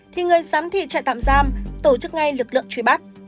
thì người giám thị trại tạm giam tổ chức ngay lực lượng truy bắt